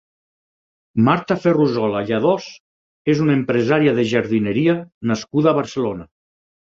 Marta Ferrusola Lladós és una empresària de jardineria nascuda a Barcelona.